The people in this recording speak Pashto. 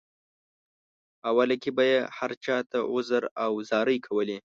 اوله کې به یې هر چاته عذر او زارۍ کولې.